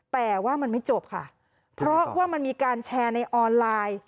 แต่ว่ามันไม่จบค่ะเพราะว่ามันมีการแชร์ในออนไลน์